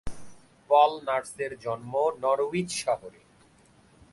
পল নার্সের জন্ম নরউইচ শহরে।